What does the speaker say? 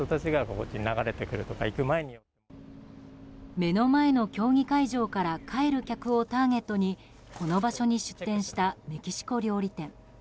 目の前の競技会場から帰る客をターゲットにこの場所に出店したメキシコ料理店。